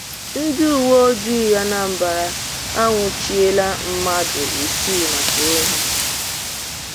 Ndị Uweojii Anambra Anwụchiela Mmadụ Isii Maka Ohi